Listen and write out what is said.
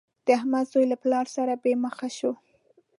د احمد زوی له پلار سره بې مخه شو.